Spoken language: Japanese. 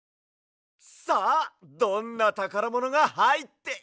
さあどんなたからものがはいっているのか！？